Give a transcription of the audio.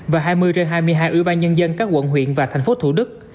và hai mươi trên hai mươi hai ủy ban nhân dân các quận huyện và thành phố thủ đức